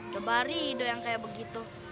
kebari doang kayak begitu